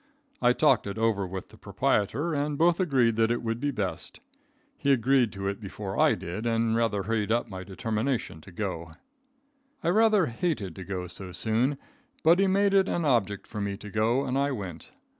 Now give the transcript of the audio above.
I talked it over with the proprietor, and both agreed that it would be best. He agreed to it before I did, and rather hurried up my determination to go. [Illustration: HE MADE IT AN OBJECT FOR ME TO GO.] I rather hated to go so soon, but he made it an object for me to go, and I went.